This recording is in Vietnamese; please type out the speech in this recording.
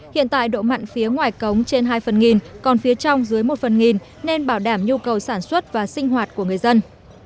hiện tại độ mặn phía ngoài cống trên hai phần nghìn còn phía trong dưới một phần nghìn nên bảo đảm nhu cầu sản xuất và sinh hoạt của người dân